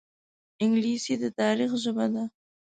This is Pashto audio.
انګلیسي د تاریخ ژبه ده